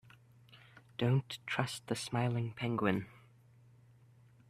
Don't trust the smiling penguin.